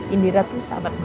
indira itu sahabat mama